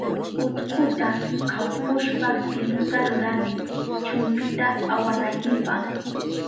Utkuta kawpushpa iluta rurani chumpita awanaynipa.